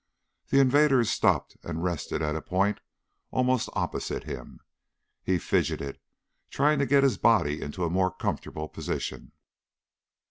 The invaders stopped and rested at a point almost opposite him. He fidgeted, trying to get his body into a more comfortable position.